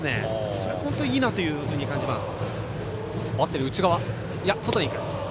それが本当にいいなと感じます。